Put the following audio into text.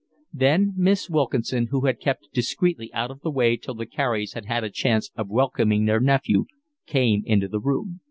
Then Miss Wilkinson, who had kept discreetly out of the way till the Careys had had a chance of welcoming their nephew, came into the room.